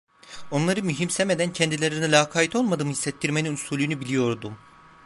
Onları mühimsemeden kendilerine lakayt olmadığımı hissettirmenin usulünü biliyordum.